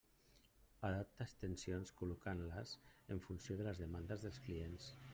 Adapta extensions col·locant-les en funció de les demandes dels clients.